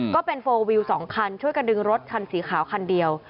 ก็เป็นโฟลวิว๒คันช่วยกระดึงรถคันสีขาวคันเดียว